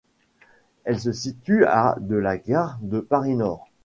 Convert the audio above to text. Elle se situe à de la gare de Paris-Nord.